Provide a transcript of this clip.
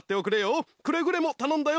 くれぐれもたのんだよ！